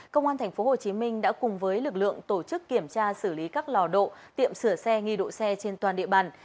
công an tp hcm đã cùng với lực lượng tổ chức kiểm tra xử lý các lò độ tiệm sửa xe nghi độ xe trên toàn địa bàn